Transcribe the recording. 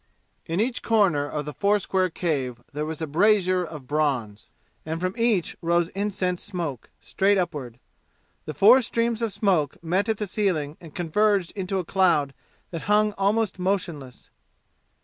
In each corner of the four square cave there was a brazier of bronze, and from each rose incense smoke, straight upward. The four streams of smoke met at the ceiling and converged into a cloud that hung almost motionless.